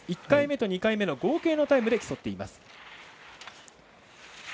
１回目と２回目の合計のタイムで競っています。